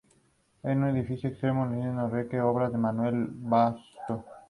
Se crio en una familia humilde de Alagoas.